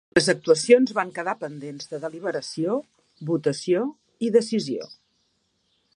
Les actuacions van quedar pendents de deliberació, votació i decisió.